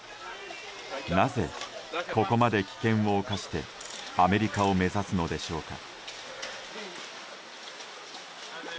なぜ、ここまで危険を冒してアメリカを目指すのでしょうか。